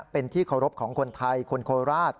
เป็นที่เคารพของคนไทยคนโคราช